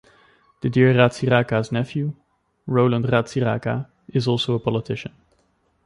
Didier Ratsiraka's nephew, Roland Ratsiraka, is also a politician.